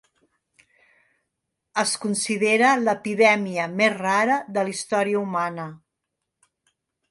Es considera l'epidèmia més rara de la història humana.